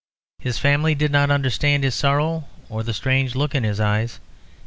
His family did not understand his sorrow or the strange look in his eyes.